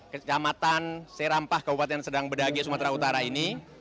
kecamatan serampah kabupaten sedang bedage sumatera utara ini